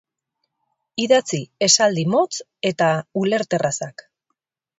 Idatzi esaldi motz eta ulerterrazak.